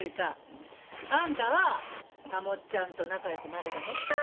うん。あんたはたもっちゃんと仲よくなれたの？